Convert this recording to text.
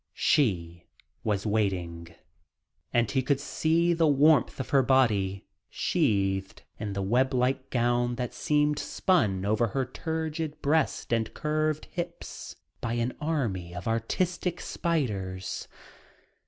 She was waiting. And he could see the warmth of her body, sheathed in the web like gown that seemed spun over her turgid breasts and curved hips by an army of artistic spiders.